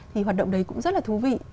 thì hoạt động đấy cũng rất là thú vị